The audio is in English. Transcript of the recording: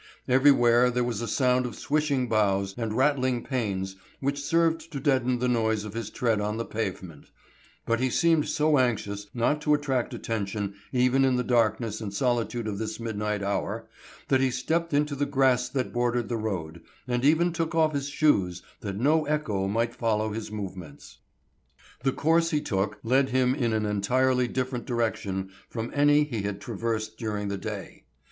Everywhere there was a sound of swishing boughs and rattling panes which served to deaden the noise of his tread on the pavement, but he seemed so anxious not to attract attention even in the darkness and solitude of this midnight hour that he stepped into the grass that bordered the road, and even took off his shoes that no echo might follow his movements. The course he took led him in an entirely different direction from any he had traversed during the day.